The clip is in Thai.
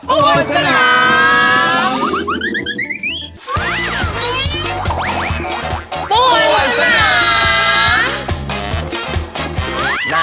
โเป่่นฉะนั้น